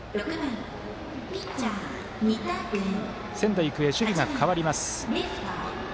仙台育英、守備が変わります。